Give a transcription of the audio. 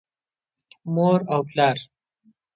مور او پلار